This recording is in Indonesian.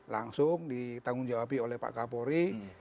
langsung ditanggung jawabi oleh pak kapolri